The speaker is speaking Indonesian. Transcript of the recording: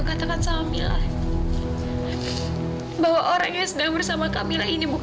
aku fadil renaudi